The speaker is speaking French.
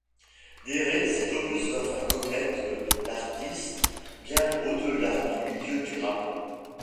Dre, cet opus va faire connaître l'artiste bien au-delà du milieu du rap.